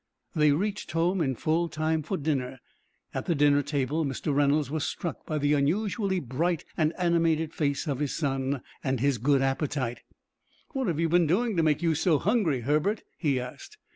They reached home in full time for dinner. At the dinner table Mr. Reynolds was struck by the unusually bright and animated face of his son, and his good appetite. "What have you been doing to make you so hungry, Herbert?" he asked.